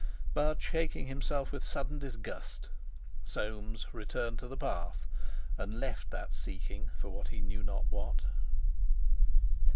But shaking himself with sudden disgust, Soames returned to the path, and left that seeking for he knew not what.